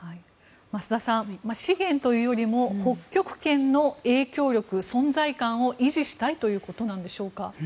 増田さん資源というよりも北極圏の影響力存在感を維持したいということなんでしょうか。